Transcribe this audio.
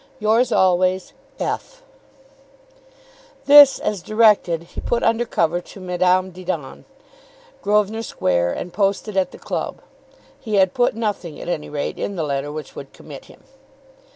Yours always, F. This, as directed, he put under cover to Madame Didon, Grosvenor Square, and posted at the club. He had put nothing at any rate in the letter which could commit him.